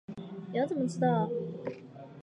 你要怎么知道